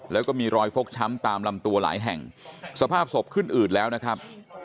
แล้วก็มีรอยฟกช้ำตามลำตัวหลายแห่งสภาพศพขึ้นอืดแล้วนะครับ